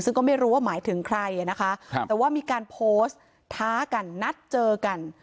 ซึ่งก็ไม่รู้ว่าหมายถึงใครนะคะแต่ว่ามีการโพสต์ท้ากันนัดเจอกัน